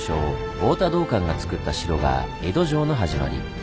太田道灌がつくった城が江戸城の始まり。